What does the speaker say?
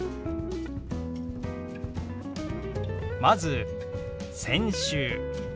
まず「先週」。